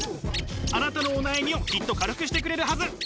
あなたのお悩みをきっと軽くしてくれるはず。